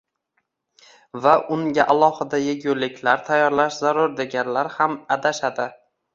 va unga alohida yeguliklar tayyorlash zarur deganlar ham adashadi.